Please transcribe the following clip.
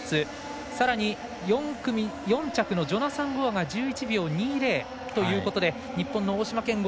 さらに４着のジョナサン・ゴアが１１秒２０ということで日本の大島健吾